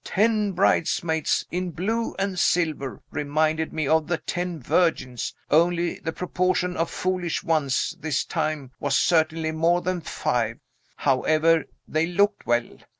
Ten bridesmaids, in blue and silver. Reminded me of the ten virgins. Only the proportion of foolish ones, this time, was certainly more than five. However, they looked well.